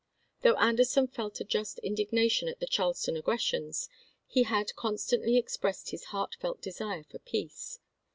rp. m. ' Though Anderson felt a just indignation at the Charleston aggressions, he had constantly expressed his heartfelt desire for peace.